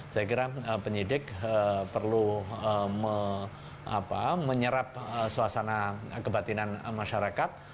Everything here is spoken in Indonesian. saya kira penyidik perlu menyerap suasana kebatinan masyarakat